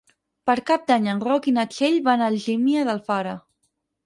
Per Cap d'Any en Roc i na Txell van a Algímia d'Alfara.